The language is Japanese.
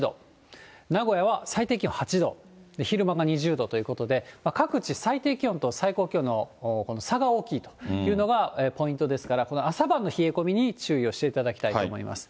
名古屋は最低気温８度、昼間が２０度ということで、各地最低気温と最高気温の差が大きいというのがポイントですから、朝晩の冷え込みに注意をしていただきたいと思います。